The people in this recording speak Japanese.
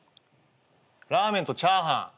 ラーメンとチャーハン。